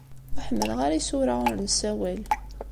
Ur ḥemmleɣ ara isura ur nessawal.